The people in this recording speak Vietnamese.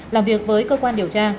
làm việc với cơ quan điều tra